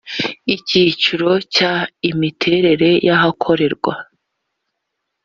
icyiciro cya imiterere y ahakorerwa